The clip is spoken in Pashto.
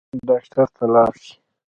ډاکټر ته لاړ شئ